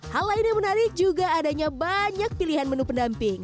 hal lain yang menarik juga adanya banyak pilihan menu pendamping